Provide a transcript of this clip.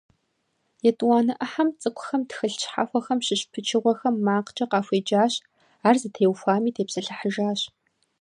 Етӏуанэ ӏыхьэм цӏыкӏухэм тхылъ щхьэхуэхэм щыщ пычыгъуэхэм макъкӏэ къахуеджащ, ар зытеухуами тепсэлъыхьыжащ.